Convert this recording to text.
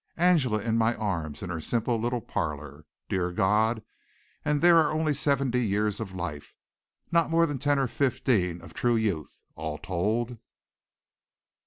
Angela in my arms in her simple little parlor. Dear God! and there are only seventy years of life not more than ten or fifteen of true youth, all told."